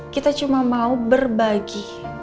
kita cuma mau berbagi